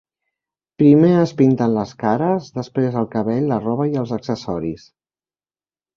Primer es pinten les cares, després el cabell, la roba i els accessoris.